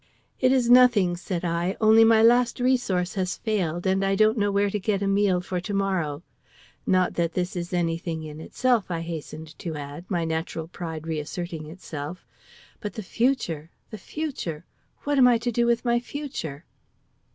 "It is nothing," said I; "only my last resource has failed, and I don't know where to get a meal for to morrow. Not that this is any thing in itself," I hastened to add, my natural pride reasserting itself; "but the future! the future! what am I to do with my future?"